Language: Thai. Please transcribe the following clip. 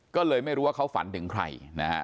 ก็เลยไม่รู้ว่าเขาฝันถึงใครนะฮะ